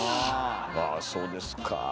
わあそうですか。